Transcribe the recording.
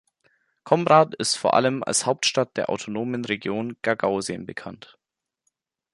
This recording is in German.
Comrat ist vor allem als Hauptstadt der autonomen Region Gagausien bekannt.